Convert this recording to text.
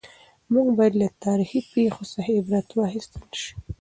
موږ باید له تاریخي پېښو څخه عبرت واخیستل شي.